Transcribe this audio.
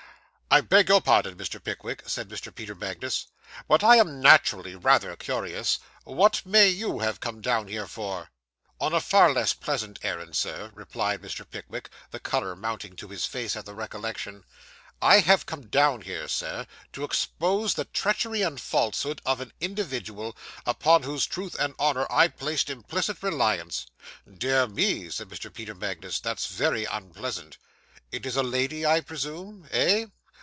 'I beg your pardon, Mr. Pickwick,' said Mr. Peter Magnus, 'but I am naturally rather curious; what may you have come down here for?' 'On a far less pleasant errand, Sir,' replied Mr. Pickwick, the colour mounting to his face at the recollection. 'I have come down here, Sir, to expose the treachery and falsehood of an individual, upon whose truth and honour I placed implicit reliance.' 'Dear me,' said Mr. Peter Magnus, 'that's very unpleasant. It is a lady, I presume? Eh?